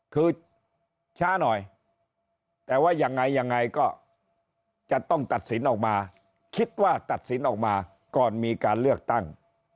คือช้าหน่อยแต่ว่ายังไงยังไงก็จะต้องตัดสินออกมาคิดว่าตัดสินออกมาก่อนมีการเลือกตั้ง